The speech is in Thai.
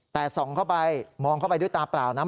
แต่ส่องเข้าไปมองเข้าไปด้วยตาเปล่านะ